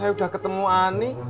saya udah ketemu ani